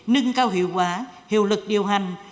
nâng cao hiệu quả hiệu lực điều hành